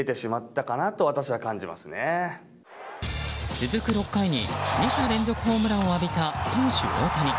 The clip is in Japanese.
続く６回に２者連続ホームランを浴びた投手・大谷。